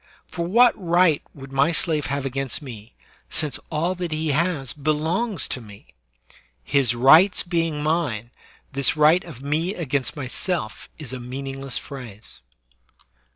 For what right would my slave have against me, since all that he has belongs to me? His rights being mine, this right of mc against myself is a meaningless phrase.